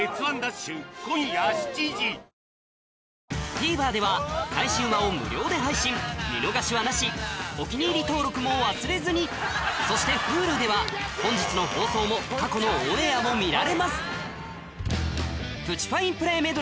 ＴＶｅｒでは最新話を無料で配信見逃しはなし「お気に入り登録」も忘れずにそしてＨｕｌｕでは本日の放送も過去のオンエアも見られます